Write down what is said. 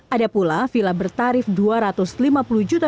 ada pula villa bertarif rp dua ratus lima puluh juta